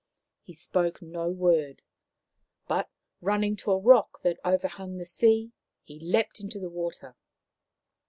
He spoke no word, but, running to a rock that overhung the sea, leapt into the water.